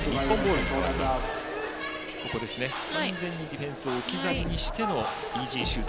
完全にディフェンスを置き去りにしてのイージーシュート。